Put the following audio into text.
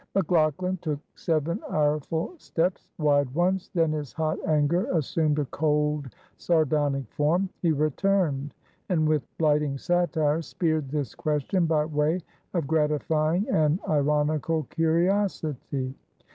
McLaughlan took seven ireful steps wide ones then his hot anger assumed a cold, sardonic form, he returned, and with blighting satire speered this question by way of gratifying an ironical curiosity.